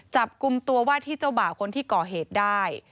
จับกลุ่มตัวว่าที่เจ้าบ่าวคนที่ก่อเหตุได้